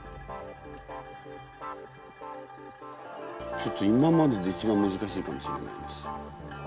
ちょっと今までで一番難しいかもしれないです。